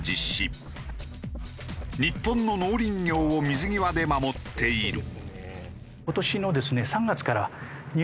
日本の農林業を水際で守っている。